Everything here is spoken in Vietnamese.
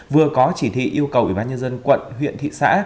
vừa có chỉ thị yêu cầu ủy ban nhân dân quận huyện thị xã